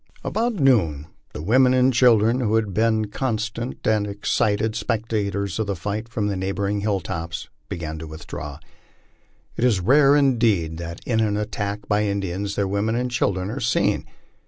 About noon the women and children, who had been constant and excited spectators of the fight from the neighboring hilltops, began to withdraw. It is rare indeed that in an attack by Indians their women and children are seen.